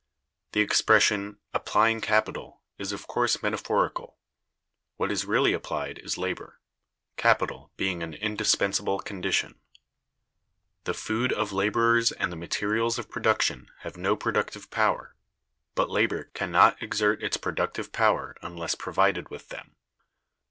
The expression "applying capital" is of course metaphorical: what is really applied is labor; capital being an indispensable condition. The food of laborers and the materials of production have no productive power; but labor can not exert its productive power unless provided with them.